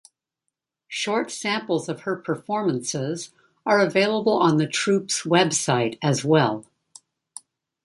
Short samples of her performances are available on the troupe's website as well.